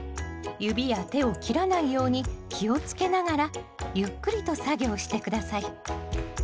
指や手を切らないように気をつけながらゆっくりと作業して下さい。